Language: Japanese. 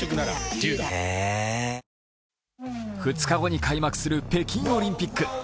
２日後に開幕する北京オリンピック。